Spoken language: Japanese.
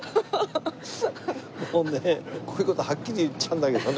こういう事はっきり言っちゃうんだけどね。